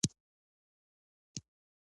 متلونه د تجربو نچوړ دی